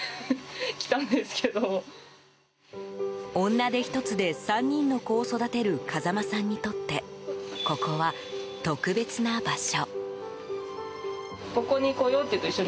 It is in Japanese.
女手ひとつで３人の子を育てる風間さんにとってここは、特別な場所。